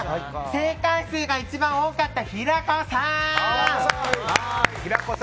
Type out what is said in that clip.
正解数が一番多かった平子さん！